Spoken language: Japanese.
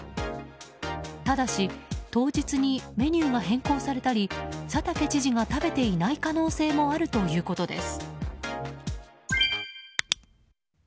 ただし、当日にメニューが変更されたり佐竹知事が食べていない可能性もあるということです。